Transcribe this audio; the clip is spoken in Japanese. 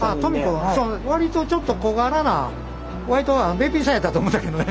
割とちょっと小柄な割とべっぴんさんやったと思ったけどね。